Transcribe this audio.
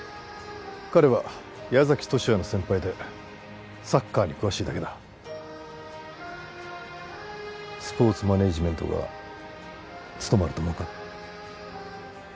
彼は矢崎十志也の先輩でサッカーに詳しいだけだスポーツマネジメントが務まると思うか？